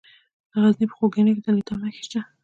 د غزني په خوږیاڼو کې د لیتیم نښې شته.